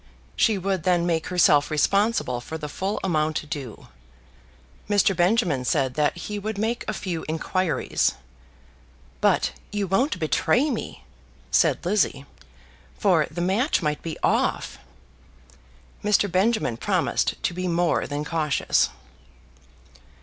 She would then make herself responsible for the full amount due. Mr. Benjamin said that he would make a few inquiries. "But you won't betray me," said Lizzie, "for the match might be off." Mr. Benjamin promised to be more than cautious.